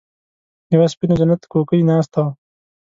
يوه سپينه جنت کوکۍ ناسته وه.